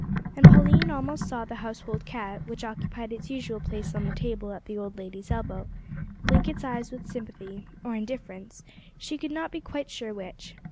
And Pauline almost saw the household cat, which occupied its usual place on the table at the old lady's elbow, blink its eyes with sympathy or indifference, she could not be quite sure which.